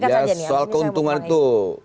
ya soal keuntungan itu